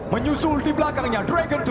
menyusul di belakangnya dragon two